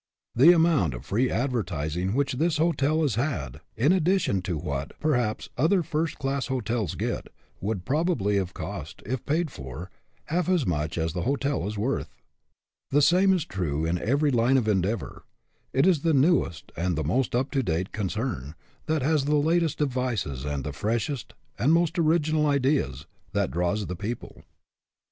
The amount of free advertising which this hotel has had, in addition to what, perhaps, other first class hotels get, would probably have cost, if paid for, half as much as the hotel is worth. The same is true in every line of endeavor. It is the newest and the most up to date con cern, that has the latest devices and the fresh est, and most original ideas, that draws the people.